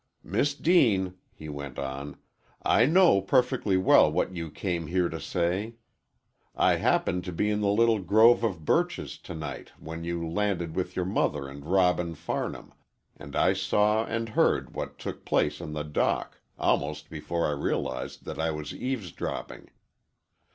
"Miss Deane," he went on, "I know perfectly well what you came here to say. I happened to be in the little grove of birches to night when you landed with your mother and Robin Farnham, and I saw and heard what took place on the dock, almost before I realized that I was eavesdropping.